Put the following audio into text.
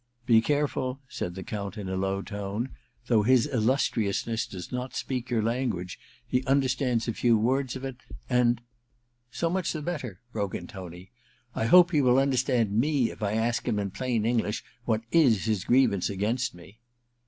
* Be careful,* said the Count, in a low tone. * Though his lUustriousness does not speak your language he understands a few words of it, and So much the better I * broke in Tony ;* I II ENTERTAINMENT 331 hope he will understand me if I ask him in plain English what is his grievance against me.'